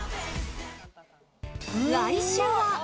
来週は。